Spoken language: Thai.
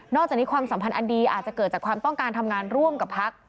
จากนี้ความสัมพันธ์อันดีอาจจะเกิดจากความต้องการทำงานร่วมกับพัก